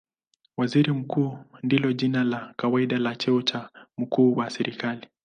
Waziri Mkuu ndilo jina la kawaida la cheo cha mkuu wa serikali.